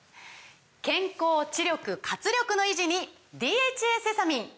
健康・知力・活力の維持に「ＤＨＡセサミン」！